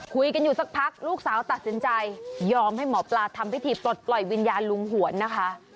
คุยกันอยู่สักพักลูกสาวตัดสินใจยอมให้หมอปลาทำพิธีปลดปล่อยวิญญาณลุงหวนนะคะ